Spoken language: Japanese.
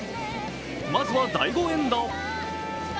まずは第５エンド。